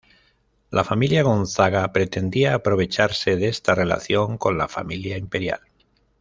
La familia Gonzaga pretendía aprovecharse de esta relación con la familia imperial.